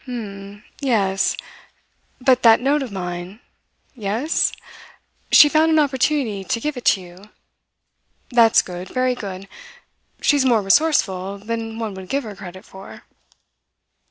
"H'm Yes. But that note of mine? Yes? She found an opportunity to give it to you? That's good, very good. She's more resourceful than one would give her credit for."